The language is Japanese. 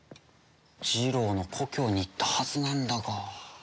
ジロウの故郷に行ったはずなんだが。